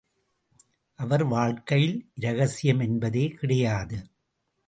அவர் வாழ்க்கையில் இரகசியம் என்பதே கிடையாது.